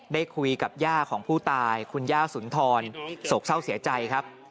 ได้คุยกับย่าของผู้ตายคุณย่าสุนทรโศกเศร้าเสียใจครับ